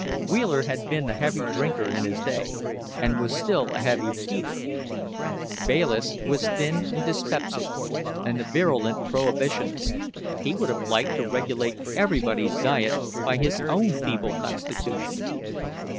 Wheeler had been a heavy drinker in his day, and was still a heavy feeder. Bayliss was thin and dyspeptic, and a virulent Prohibitionist; he would have liked to regulate everybody's diet by his own feeble constitution.